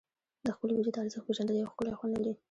د خپل وجود ارزښت پېژندل یو ښکلی خوند لري.